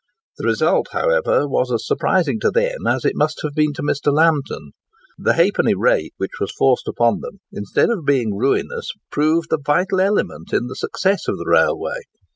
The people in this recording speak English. The result, however, was as surprising to them as it must have been to Mr. Lambton. The ½d. rate which was forced upon them, instead of being ruinous, proved the vital element in the success of the railway.